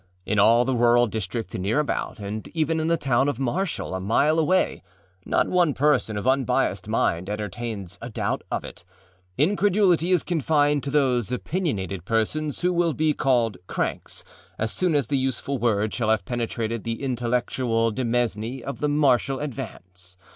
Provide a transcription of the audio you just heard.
In all the rural district near about, and even in the town of Marshall, a mile away, not one person of unbiased mind entertains a doubt of it; incredulity is confined to those opinionated persons who will be called âcranksâ as soon as the useful word shall have penetrated the intellectual demesne of the Marshall Advance.